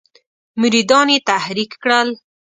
مریدان یې تحریک کړل.